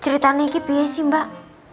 ceritanya ini biaya sih mbak